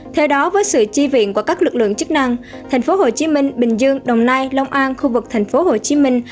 theo đó với sự chi viện của các lực lượng chức năng thành phố hồ chí minh bình dương đồng nai long an khu vực thành phố hồ chí minh